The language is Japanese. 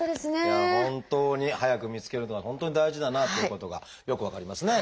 本当に早く見つけるのは本当に大事だなということがよく分かりますね。